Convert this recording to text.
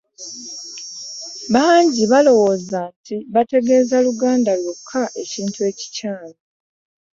Bangi balowooza nti bategeeza Luganda lwokka ekintu ekikyamu.